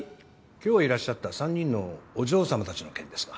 今日いらっしゃった３人のお嬢様たちの件ですが。